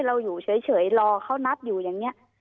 เราอยู่เฉยรอเขานัดอยู่อย่างนี้